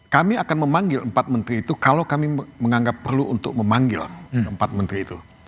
kami akan memanggil empat menteri itu kalau kami menganggap perlu untuk memanggil empat menteri itu